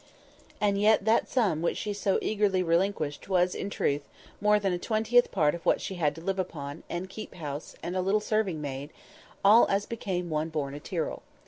And yet that sum which she so eagerly relinquished was, in truth, more than a twentieth part of what she had to live upon, and keep house, and a little serving maid, all as became one born a Tyrrell.